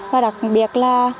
và đặc biệt là